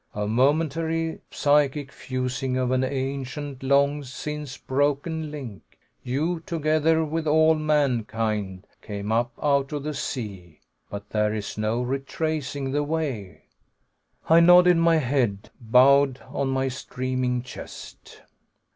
A momentary, psychic fusing of an ancient, long since broken link. You, together with all mankind, came up out of the sea. But there is no retracing the way." I nodded, my head bowed on my streaming chest.